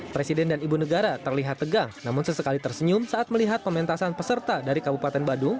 presiden dan ibu negara terlihat tegang namun sesekali tersenyum saat melihat pementasan peserta dari kabupaten badung